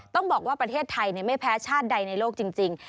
ต้องบอกว่าประเทศไทยไม่แพ้ชาติใดในโลกจริง